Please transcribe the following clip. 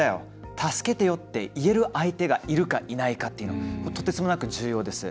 助けてよって言える相手がいるか、いないかっていうのはとてつもなく重要です。